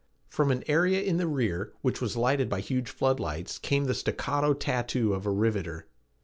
From an area in the rear, which was lighted by huge flood lights, came the staccato tattoo of a riveter.